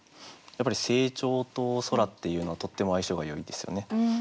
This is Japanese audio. やっぱり成長と空っていうのはとっても相性がよいですよね。